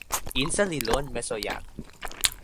insa li lon meso jan.